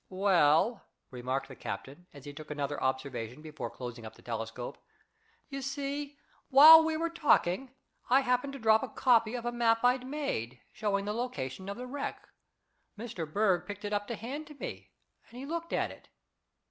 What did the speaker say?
"Well," remarked the captain, as he took another observation before closing up the telescope, "you see, while we were talking, I happened to drop a copy of a map I'd made, showing the location of the wreck. Mr. Berg picked it up to hand to me, and he looked at it."